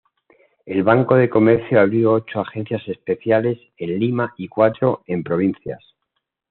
El banco de comercio abrió ocho agencias especiales en Lima y cuatro en provincias.